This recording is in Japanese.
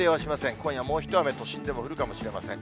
今夜、もう一雨、都心でも降るかもしれません。